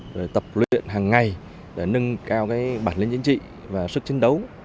rồi tập luyện hàng ngày để nâng cao bản lĩnh chính trị và sức chiến đấu